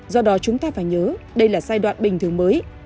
do đó chúng ta phải nhớ đây là giai đoạn bình thường mới